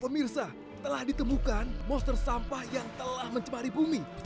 pemirsa telah ditemukan monster sampah yang telah mencemari bumi